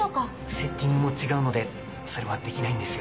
セッティングも違うのでそれはできないんですよ。